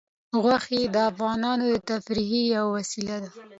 غوښې د افغانانو د تفریح یوه وسیله ده.